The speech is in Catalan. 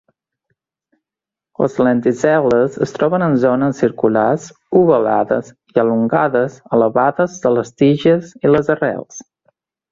Les lenticel·les es troben en zones circulars, ovalades i elongades elevades de les tiges i les arrels.